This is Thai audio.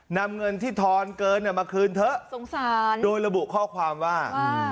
นำเงินที่ทอนเกินมาคืนเถอะสงสารโดยระบุข้อความว่า